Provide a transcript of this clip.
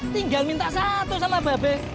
tinggal minta satu sama babe